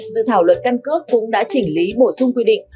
dự thảo luật căn cước cũng đã chỉnh lý bổ sung quy định